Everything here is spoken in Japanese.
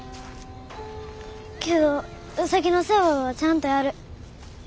けどウサギの世話はちゃんとやる。